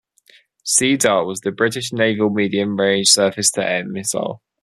Sea Dart was the British naval medium-range surface-to-air missile.